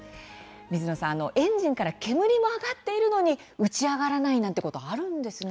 水野さん、エンジンから煙も上がっているのに打ち上がらないなんてことあるんですね。